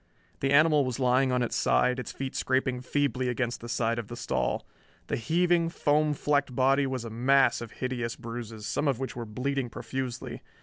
The animal was lying on its side, its feet scraping feebly against the side of the stall. The heaving, foam flecked body was a mass of hideous bruises, some of which were bleeding profusely.